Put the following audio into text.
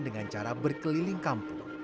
dengan cara berkeliling kampung